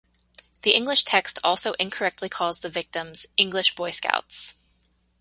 The English text also incorrectly calls the victims "English Boy Scouts".